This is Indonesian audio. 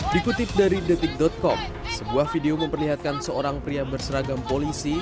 dikutip dari detik com sebuah video memperlihatkan seorang pria berseragam polisi